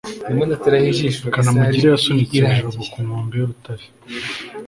kanamugire yasunitse jabo ku nkombe y'urutare